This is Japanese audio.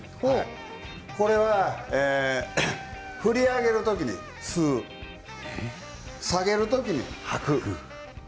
これは振り上げる時に吸う下げる時に吐く。